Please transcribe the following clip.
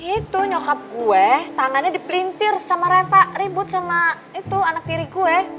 itu nyokap gue tangannya dipelintir sama reva ribut sama itu anak tiri kue